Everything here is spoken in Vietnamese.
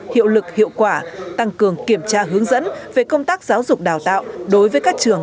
hiệu lực hiệu quả tăng cường kiểm tra hướng dẫn về công tác giáo dục đào tạo đối với các trường